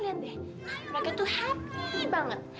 tuh kan liat deh mereka tuh happy banget